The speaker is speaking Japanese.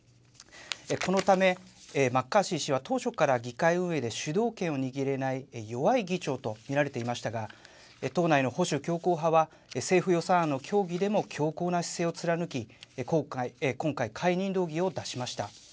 このため、マッカーシー氏は当初から議会運営で主導権を握れない弱い議長と見られていましたが、党内の保守強硬派は、政府予算案の協議でも強硬な姿勢を貫き、今回、解任動議を出しました。